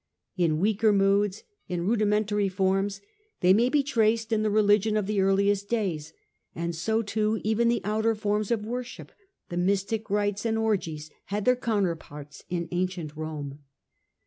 In weaker moods, in rudimentary forms, they may be traced in the religion ot the earliest days, and so too even the outer forms of worship, the mystic rites and orgies had their counter Thenew p^rts in ancient Rome.